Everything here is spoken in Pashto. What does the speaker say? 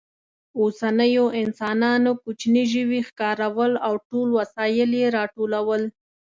لومړنیو انسانانو کوچني ژوي ښکارول او ټول وسایل یې راټولول.